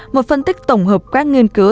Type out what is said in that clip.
một phân tích tổng hợp các nghiên cứu